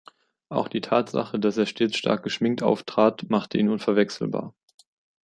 Auch die Tatsache, dass er stets stark geschminkt auftrat, machte ihn unverwechselbar.